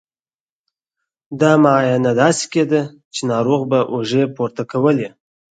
دا معاینه داسې کېده چې ناروغ به اوږې پورته کولې.